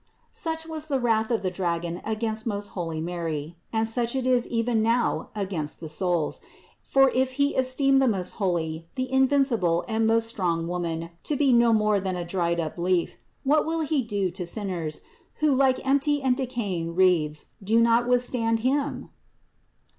Such was the wrath of the dragon against most holy Mary; and such it is even now against the souls; for if he esteemed the most holy, the invincible and most strong Woman to be no more than a dried up leaf, what will he do to sinners, who like empty and de caying reeds do not withstand him?